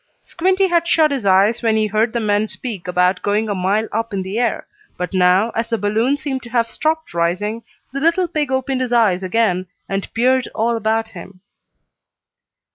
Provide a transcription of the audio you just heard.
Squinty had shut his eyes when he heard the men speak about going a mile up in the air, but now, as the balloon seemed to have stopped rising, the little pig opened his eyes again, and peered all about him.